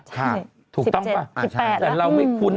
ใช่สิบเจ็ดสิบแปดแล้วใช่แต่เราไม่คุ้น